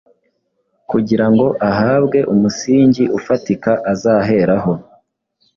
kugirango ahabwe umusingi ufatika azaheraho